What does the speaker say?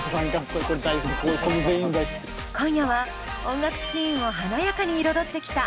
今夜は音楽シーンを華やかに彩ってきた☆